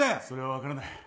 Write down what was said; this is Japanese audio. それは分からない。